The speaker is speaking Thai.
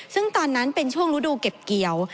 ซึ่งตอนนั้นเป็นช่วงฤดูเก็บเกี่ยว